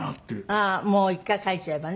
ああもう一回描いちゃえばね。